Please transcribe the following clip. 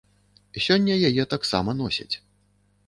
Сёння яе таксама носяць.